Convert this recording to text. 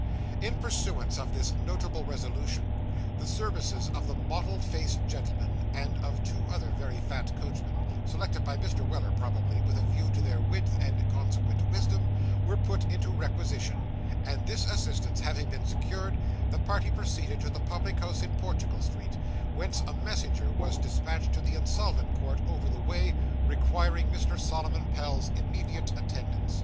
In pursuance of this notable resolution, the services of the mottled faced gentleman and of two other very fat coachmen selected by Mr. Weller, probably, with a view to their width and consequent wisdom were put into requisition; and this assistance having been secured, the party proceeded to the public house in Portugal Street, whence a messenger was despatched to the Insolvent Court over the way, requiring Mr. Solomon Pell's immediate attendance.